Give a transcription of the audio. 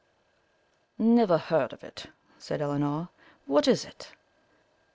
"Never heard of it," said Elinor; "what is it?"